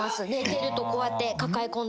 寝てるとこうやって抱え込んで。